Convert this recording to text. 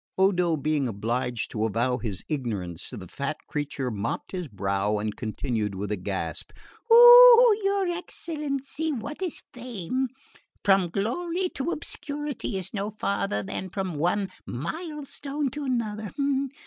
Odo being obliged to avow his ignorance, the fat creature mopped his brow and continued with a gasp "Ah, your excellency, what is fame? From glory to obscurity is no farther than from one milestone to another!